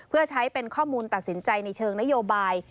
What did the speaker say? เพื่อใช้เป็นข้อมูลตัดสินใจในเชิงนโยบาย